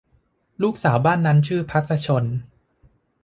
ลูกสาวบ้านนั้นชื่อพรรษชล